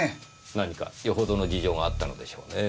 何かよほどの事情があったのでしょうねぇ。